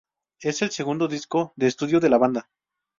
Es el segundo disco de estudio de la banda.